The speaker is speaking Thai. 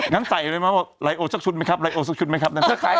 งั้นใส่เลยไหมไลโอสักชุดไหมครับไลโอสักชุดไหมครับ